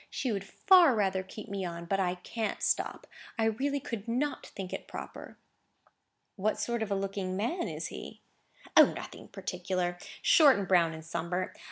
She would far rather keep me on; but I can't stop. I really could not think it proper." "What sort of a looking man is he?" "O, nothing particular. Short, and brown, and sunburnt.